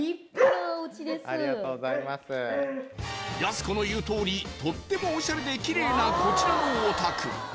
ありがとうございますやす子の言うとおりとってもおしゃれできれいなこちらのお宅